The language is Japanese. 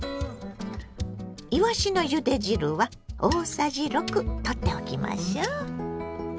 いわしのゆで汁は大さじ６とっておきましょう。